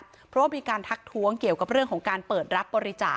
ตำรวจบอกว่าภายในสัปดาห์เนี้ยจะรู้ผลของเครื่องจับเท็จนะคะ